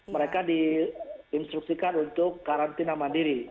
mereka di instruksikan untuk karantina mandiri